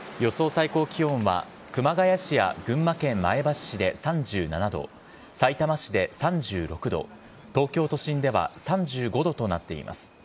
最高気温は熊谷市や群馬県前橋市で３７度、さいたま市で３６度、東京都心では３５度となっています。